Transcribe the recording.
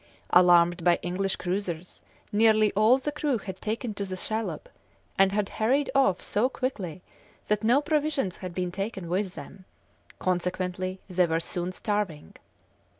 Alarmed by English cruisers, nearly all the crew had taken to the shallop, and had hurried off so quickly that no provisions had been taken with them; consequently they were soon starving.